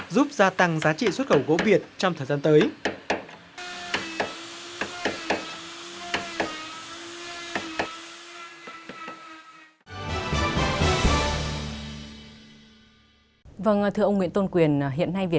giúp gia tăng giá trị xuất khẩu gỗ việt trong thời gian tới